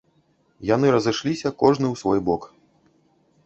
Яны разышліся, кожны ў свой бок.